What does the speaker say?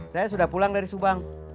saya sudah pulang dari subang